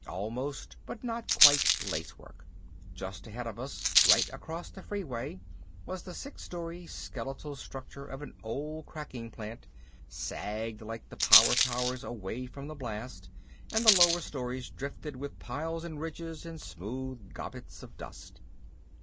Almost but not quite lace work. Just ahead of us, right across the freeway, was the six storey skeletal structure of an old cracking plant, sagged like the power towers away from the blast and the lower storeys drifted with piles and ridges and smooth gobbets of dust.